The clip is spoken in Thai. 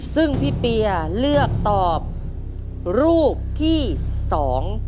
ซึ่งพิเบียเลือกรูปที่สอง